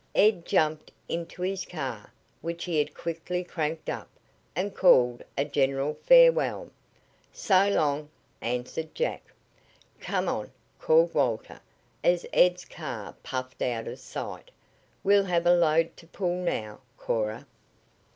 Ed jumped into his car, which he had quickly cranked up, and called a general farewell. "So long," answered Jack. "Come on," called Walter, as Ed's car puffed out of sight. "We'll have a load to pull now, Cora."